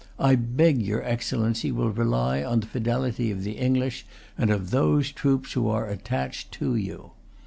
I beg your Excellency will rely on the fidelity of the English, and of those troops which are attached to you."